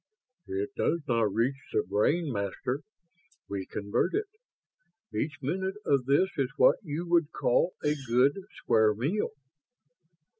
"It does not reach the brain, Master. We convert it. Each minute of this is what you would call a 'good, square meal'."